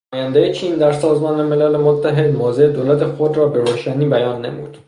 نمایندهٔ چین در سازمان ملل متحد موضع دولت خود را بروشنی بیان نمود.